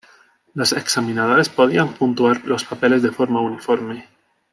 Los examinadores podían puntuar los papeles de forma uniforme.